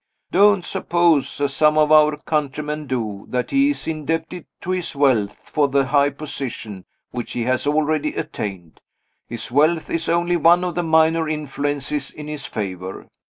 Don't suppose, as some of our countrymen do, that he is indebted to his wealth for the high position which he has already attained. His wealth is only one of the minor influences in his favor.